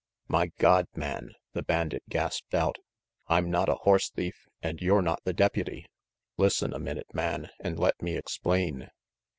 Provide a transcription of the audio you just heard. "My God, man," the bandit gasped out, "I'm not a horse thief, an' you're not the deputy. Listen a minute, man, and let me explain."